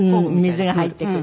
水が入ってくる。